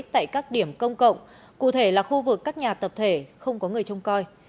tại các điểm công cộng cụ thể là khu vực các nhà tập thể không có người trông coi